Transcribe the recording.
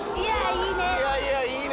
いいね！